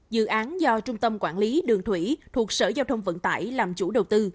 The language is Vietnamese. dự án do trung tâm quản lý đường thủy thuộc sở giao thông vận tải làm chủ đầu tư